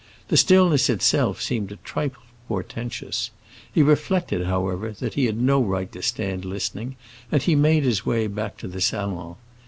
The stillness itself seemed a trifle portentous; he reflected however that he had no right to stand listening, and he made his way back to the salon.